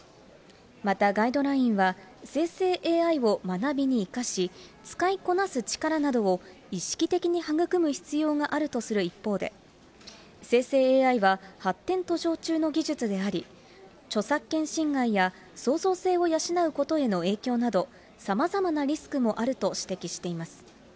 またガイドラインは、生成ＡＩを学びに生かし、使いこなす力などを意識的に育む必要があるとする一方で、生成ＡＩは発展途上中の技術であり、著作権侵害や創造性を養うことへの影響など、さまざまなリスクもあると指摘しています。